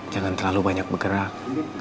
jangan terlalu banyak bergerak